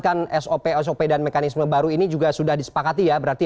kita bisa meniapkanwhile nya sudah menaikkan lagi